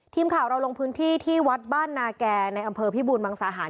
ทีมข่าวเราลงพื้นที่ที่วัดบ้านนาแก่ในอำเภอพิบูรมังสาหาร